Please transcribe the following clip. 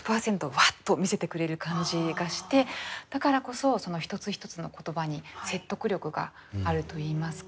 ワッと見せてくれる感じがしてだからこそその一つ一つの言葉に説得力があるといいますか。